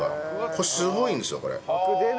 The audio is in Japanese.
これすごいんですよこれ。